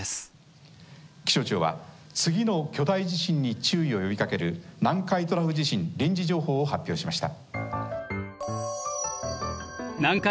「気象庁は次の巨大地震に注意を呼びかける南海トラフ地震臨時情報を発表しました」。